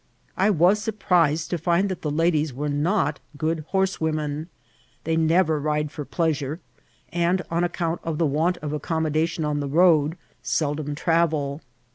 I was surprised to find that the ladies were not good horsewomen. They never ride for pleasure, and, aa accoimt of the want of accommodation on the road, seldom travel.